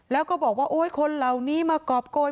แล้วก็บอกว่าโอ๊ยคนเหล่านี้มากรอบโกน